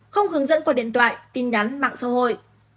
không hướng dẫn qua điện thoại tin nhắn mạng xã hội